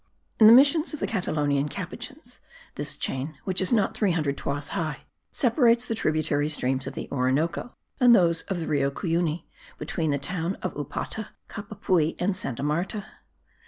In the missions of the Catalonian Capuchins this chain, which is not 300 toises high, separates the tributary streams of the Orinoco and those of the Rio Cuyuni, between the town of Upata, Cupapui and Santa Marta.